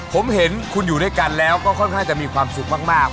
ผมเห็นคุณอยู่ด้วยกันแล้วก็ค่อนข้างจะมีความสุขมาก